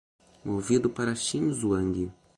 Movido para Xinzhuang